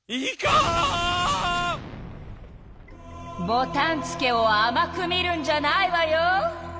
ボタンつけをあまく見るんじゃないわよ！